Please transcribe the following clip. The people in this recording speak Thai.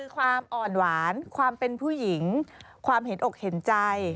ความอ่อนหวานความเป็นผู้หญิงความเห็นอกเห็นใจ